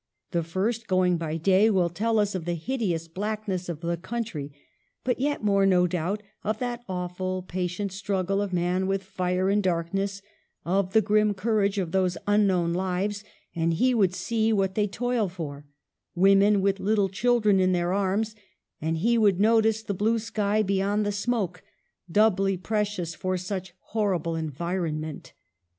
The first, going by day, will tell us of the hideous blackness of the country, but yet more, no doubt, of that awful, patient struggle of man with fire and darkness, of the grim courage of those unknown lives ; and he would see what they toil for, women with little children in their arms ; and he would notice the blue sky beyond the smoke, doubly precious for such horrible environment.